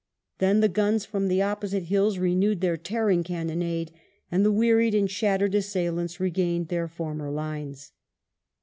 Then the guns from the opposite hills renewed their tearing cannonade, and the wearied and shattered assailants regained their former lines.